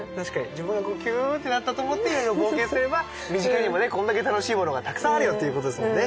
自分がキューッてなったと思っていろいろ冒険すれば身近にもねこんだけ楽しいものがたくさんあるよということですもんね。